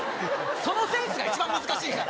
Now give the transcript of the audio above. そのセンスが一番難しいから。